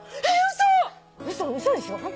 嘘でしょ？